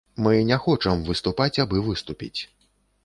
Мы не хочам выступаць, абы выступіць.